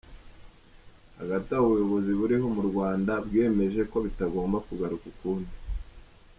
Hagati aho ubuyobozi buriho mu Rwanda bwiyemeje ko bitagomba kugaruka ukundi.